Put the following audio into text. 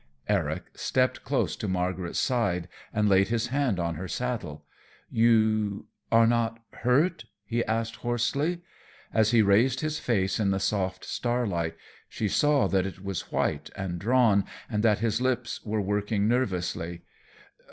Eric stepped close to Margaret's side and laid his hand on her saddle. "You are not hurt?" he asked, hoarsely. As he raised his face in the soft starlight she saw that it was white and drawn and that his lips were working nervously.